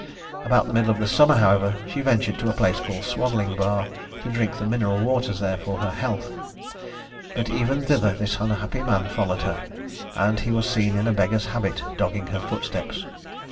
About the middle of the summer, however, she ventured to a place called Swaddling Bar to drink the mineral waters there for her health; but even thither this unhappy man followed her, and he was seen in a beggar's habit dogging her footsteps.